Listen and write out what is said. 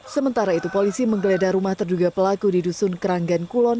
sementara itu polisi menggeledah rumah terduga pelaku di dusun keranggan kulon